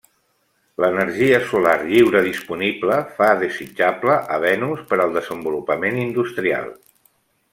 L'energia solar lliure disponible fa desitjable a Venus per al desenvolupament industrial.